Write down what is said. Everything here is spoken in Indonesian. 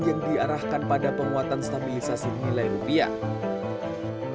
yang diarahkan pada penguatan stabilisasi nilai rupiah